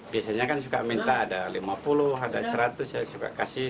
biasanya kan suka minta ada lima puluh ada seratus saya suka kasih